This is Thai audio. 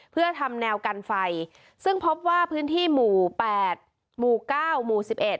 เพื่อทำแนวกันไฟซึ่งพบว่าพื้นที่หมู่๘หมู่เก้าหมู่สิบเอ็ด